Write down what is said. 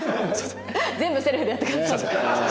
全部セルフでやってくださった。